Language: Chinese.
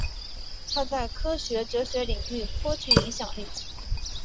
他在科学哲学领域颇具影响力。